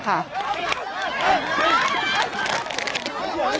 หักหลักใช้ชีวิตด้วยนะครับ